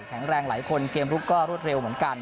แข็งแรงหลายคนเกมลุกก็รวดเร็วเหมือนกัน